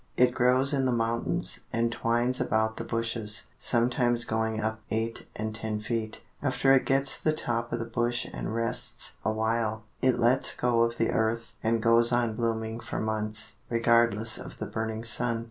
It grows in the mountains, and twines about the bushes, sometimes going up eight and ten feet. After it gets to the top of the bush and rests awhile, it lets go of the earth and goes on blooming for months, regardless of the burning sun.